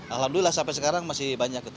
alhamdulillah sampai sekarang masih banyak